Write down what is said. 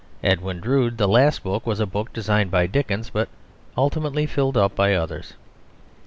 Edwin Drood, the last book, was a book designed by Dickens, but ultimately filled up by others.